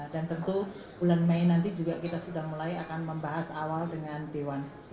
dan tentu bulan mei nanti juga kita sudah mulai akan membahas awal dengan dewan